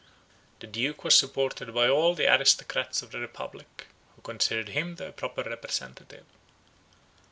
The Duke was supported by all the aristocrats of the republic, who considered him their proper representative.